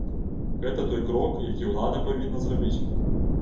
Гэта той крок, які ўлада павінна зрабіць.